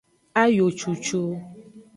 Ayo cucu.